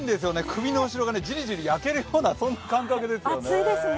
首の後ろがジリジリ焼けるような感覚ですよね。